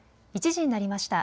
１時になりました。